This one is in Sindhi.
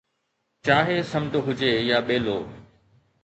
چاهي سمنڊ هجي يا ٻيلو